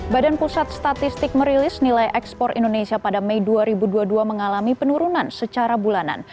badan pusat statistik merilis nilai ekspor indonesia pada mei dua ribu dua puluh dua mengalami penurunan secara bulanan